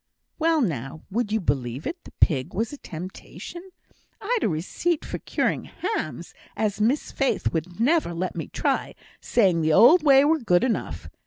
Well now! would you believe it? the pig were a temptation. I'd a receipt for curing hams, as Miss Faith would never let me try, saying the old way were good enough.